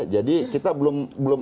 jadi kita belum